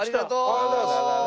ありがとう！